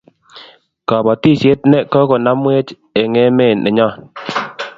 kabatishiet ne kokonamwech eng emet nenyon